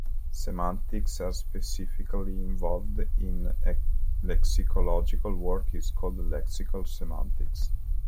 Semantics as specifically involved in lexicological work is called lexical semantics.